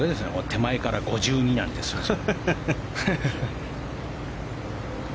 手前から５２なんて数字。